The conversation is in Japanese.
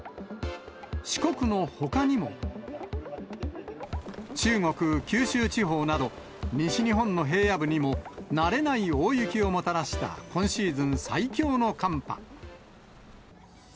四国のほかにも中国、九州地方など、西日本の平野部にも慣れない大雪をもたらした今シーズン最強の寒波。